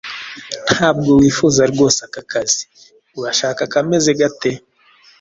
Ntabwo wifuza rwose aka kazi, urashaka akameze gate?